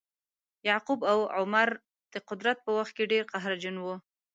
یعقوب او عمرو د قدرت په وخت کې ډیر قهرجن وه.